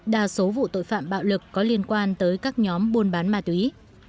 đa số vụ tội phạm bạo lực có liên quan tới các nhóm buôn bán ma túy